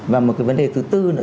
và một cái vấn đề thứ bốn nữa